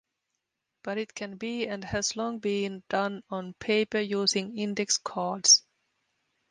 But it can be and has long been done on paper using index cards.